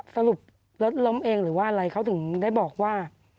สรุปรถล้มเองหรือว่าอะไรเขาถึงได้บอกว่า